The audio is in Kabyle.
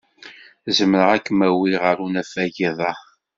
Zemreɣ ad kem-awiɣ ɣer unafag iḍ-a.